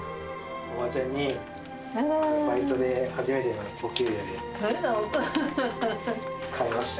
おばちゃんに、バイトで初めてのお給料で買いました。